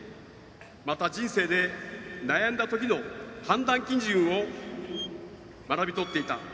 また、人生で悩んだ時の判断基準を学び取っていた。